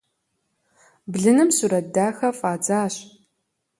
Блыным сурэт дахэ фӀадзащ.